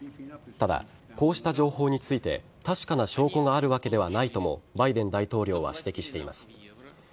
ただ、こうした情報について確かな証拠があるわけではないともバイデン大統領は指摘しています。